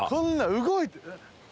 動いてる。